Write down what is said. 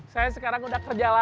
saya sekarang udah kerja lama